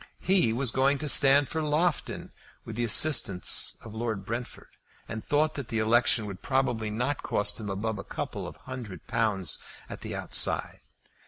He was going to stand for Loughton, with the assistance of Lord Brentford, and thought that the election would probably not cost him above a couple of hundred pounds at the outside.